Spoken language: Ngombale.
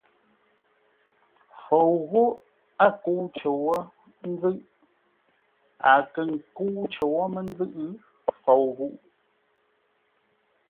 Fou ghó a kə́u cər wó ńzʉ́ʼ, a kə̂ kə́u cər wó mə́ ńzʉ́ʼ, fou ghúʼu.